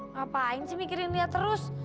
ngapain sih mikirin lihat terus